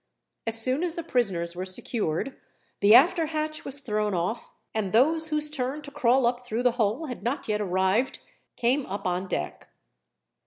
As soon as the prisoners were secured, the after hatch was thrown off, and those whose turn to crawl up through the hole had not yet arrived came up on deck.